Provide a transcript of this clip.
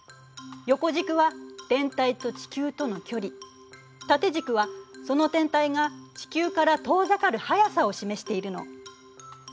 横軸は天体と地球との距離縦軸はその天体が地球から遠ざかる速さを示しているの。